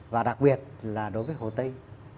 và đặc biệt là đối với hồ tây